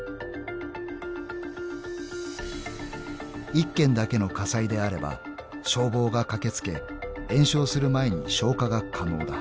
［１軒だけの火災であれば消防が駆け付け延焼する前に消火が可能だ］